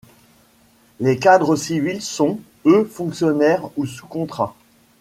Les cadres civils sont, eux, fonctionnaires ou sous contrat.